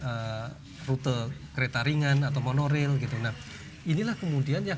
kemudian ada nanti ada delapan rute kereta ringan atau monorail gitu nah inilah kemudian yang